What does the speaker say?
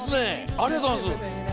ありがとうございます。